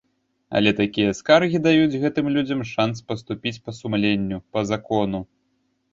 Але такія скаргі даюць гэтым людзям шанс паступіць па сумленню, па закону.